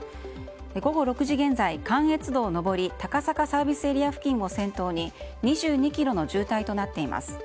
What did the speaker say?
午後６時現在、関越道上り高坂ＳＡ付近を先頭に２２ｋｍの渋滞となっています。